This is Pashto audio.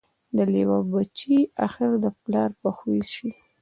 د لېوه بچی آخر د پلار په خوی سي